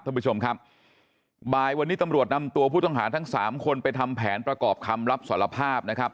ท่านผู้ชมครับบ่ายวันนี้ตำรวจนำตัวผู้ต้องหาทั้งสามคนไปทำแผนประกอบคำรับสารภาพนะครับ